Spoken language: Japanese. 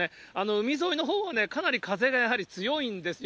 海沿いのほうはかなり風がやはり強いんですよ。